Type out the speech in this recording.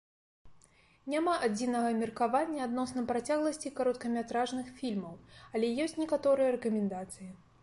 Няма адзінага меркавання адносна працягласці кароткаметражных фільмаў, але ёсць некаторыя рэкамендацыі.